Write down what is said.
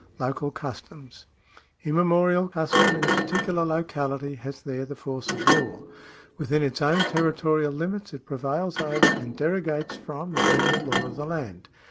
Local customs. — Immemorial custom in a particular locality has there the force of law. Within its own territorial limits it prevails over, and derogates from, the general law of the land.